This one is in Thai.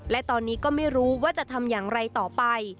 และตอนนี้ก็ไม่รู้ว่าจะทำอย่างไรต่อไป